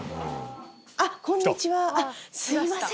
あっこんにちはすいません。